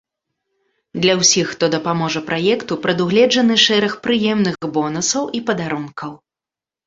Для ўсіх, хто дапаможа праекту, прадугледжаны шэраг прыемных бонусаў і падарункаў.